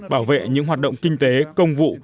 bảo vệ những hoạt động kinh tế công vụ